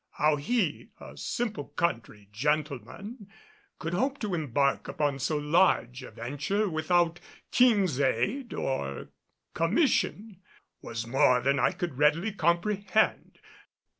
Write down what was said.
How he, a simple country gentleman, could hope to embark upon so large a venture without King's aid or commission was more than I could readily comprehend.